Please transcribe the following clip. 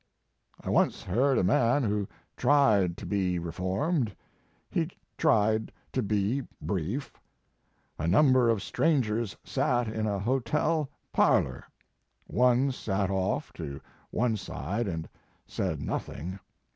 I once heard a man who tried to be reformed. He tried to be brief. A number of strangers sat in a hotel parlor. One sat off to one side and said nothing.